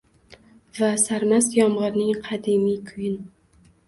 Va sarmast yomg’irning qadimiy kuyin